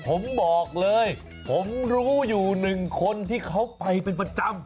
ผมบอกเลยผมรู้อยู่หนึ่งคนที่เขาไปเป็นประจำ